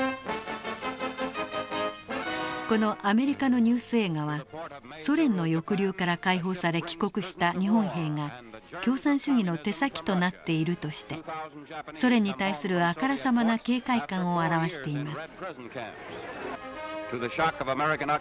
このアメリカのニュース映画はソ連の抑留から解放され帰国した日本兵が共産主義の手先となっているとしてソ連に対するあからさまな警戒感を表しています。